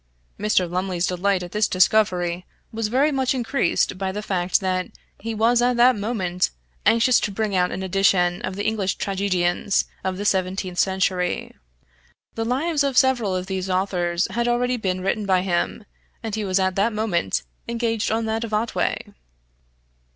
Mr. Lumley's delight at this discovery, was very much increased by the fact that he was at that moment anxious to bring out an edition of the English Tragedians of the seventeenth century. The lives of several of these authors had been already written by him, and he was at that moment engaged on that of Otway.